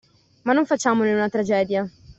Ma non facciamone una tragedia.